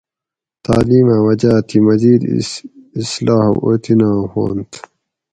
تعلیماۤں وجاۤ تھی مزید اصلاح اوطناں ھوانت